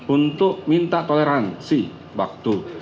untuk minta toleransi waktu